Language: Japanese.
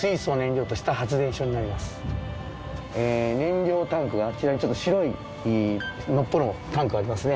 燃料タンクがあちらに白いのっぽのタンクありますね。